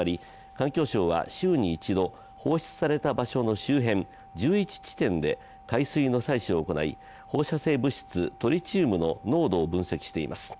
環境省は週に１度、放出された場所の周辺、１１地点で海水の採取を行い放射性物質トリチウムの濃度を分析しています。